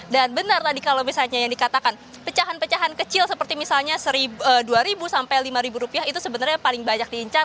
dan benar tadi kalau misalnya yang dikatakan pecahan pecahan kecil seperti misalnya dua ribu sampai lima ribu rupiah itu sebenarnya paling banyak diincar